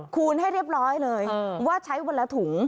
คูณให้เรียบร้อยเลยว่าใช้วันละถุง